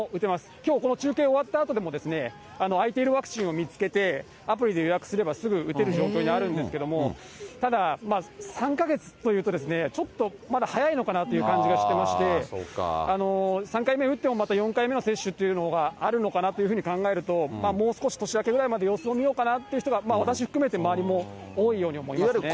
きょう、この中継終わったあとでも空いているワクチンを見つけて、アプリで予約すれば、すぐ打てる状況にあるんですけれども、ただ、３か月というと、ちょっとまだ早いのかなという感じがしてまして、３回目打ってもまた４回目の接種というのがあるのかなというふうに考えると、もう少し、年明けくらいまで様子を見ようかなっていう人が、私含めて、周りも多いように思いますね。